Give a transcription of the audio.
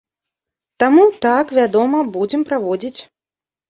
Таму, так, вядома, будзем праводзіць.